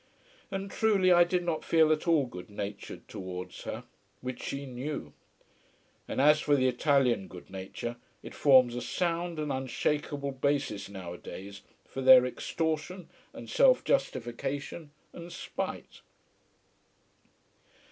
And truly, I did not feel at all good natured towards her: which she knew. And as for the Italian good nature, it forms a sound and unshakeable basis nowadays for their extortion and self justification and spite.